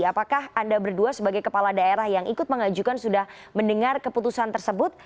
apakah anda berdua sebagai kepala daerah yang ikut mengajukan sudah mendengar keputusan tersebut